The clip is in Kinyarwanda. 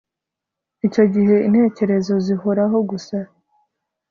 Icyo gihe intekerezo zihora gusa